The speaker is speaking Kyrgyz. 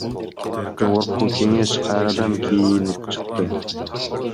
Жогорку Кеңеш кайрадан кийинип чыкты